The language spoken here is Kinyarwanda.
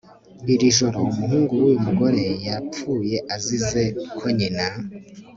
iri joro, umuhungu w'uyu mugore yapfuye azize ko nyina